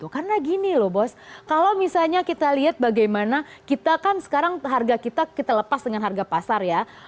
karena gini loh bos kalau misalnya kita lihat bagaimana kita kan sekarang harga kita kita lepas dengan harga pasar ya